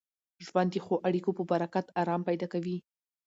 ژوند د ښو اړیکو په برکت ارام پیدا کوي.